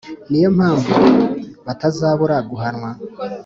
ni yo mpamvu batazabura guhanwa